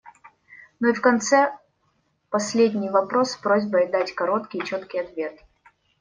Ну и в конце - последний вопрос с просьбой дать короткий и четкий ответ.